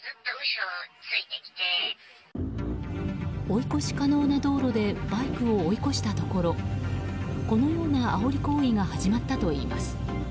追い越し可能な道路でバイクを追い越したところこのようなあおり行為が始まったといいます。